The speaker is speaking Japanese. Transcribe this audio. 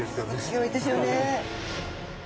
強いですよね。